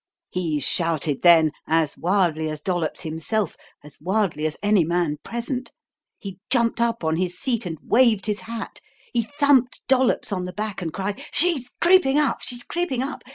He shouted then as wildly as Dollops himself, as wildly as any man present. He jumped up on his seat and waved his hat; he thumped Dollops on the back and cried: "She's creeping up! She's creeping up!